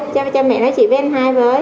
cho mẹ nói chuyện với anh hai với